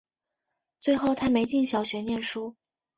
最后她没进小学念书